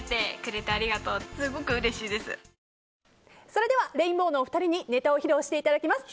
それではレインボーのお二人にネタを披露していただきます。